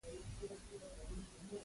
ستا انځور جوړوم .